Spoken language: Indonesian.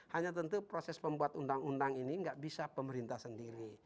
hanya tentu proses pembuat undang undang ini nggak bisa pemerintah sendiri